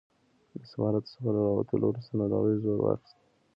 له سفارت څخه له راوتلو وروسته ناروغۍ زور واخیست.